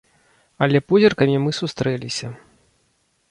Але позіркамі мы сустрэліся.